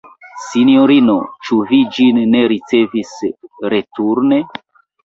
Sinjorino, ĉu vi ĝin ne ricevis returne?